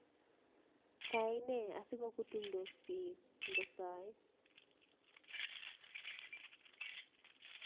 Kaine asigogutunydos biik ngosae